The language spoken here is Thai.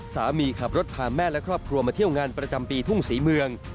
ขับรถพาแม่และครอบครัวมาเที่ยวงานประจำปีทุ่งศรีเมือง